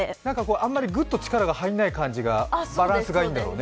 あんまりグッと力が入らない感じがバランスがいいんだろうね。